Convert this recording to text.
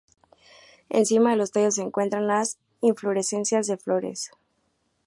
Encima de los tallos se encuentran las inflorescencias de flores.